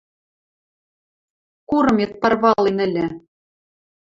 Курымет парвален ӹлӹ!..